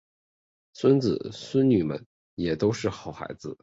孙子孙女们也都是好孩子